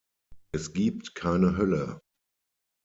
Es gibt keine Hölle.